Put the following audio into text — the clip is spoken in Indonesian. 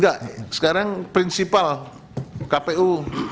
enggak sekarang prinsipal kpu